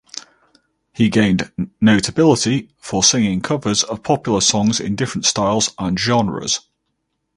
He gained notability for singing covers of popular songs in different styles and genres.